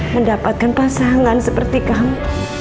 mendapatkan pasangan seperti kamu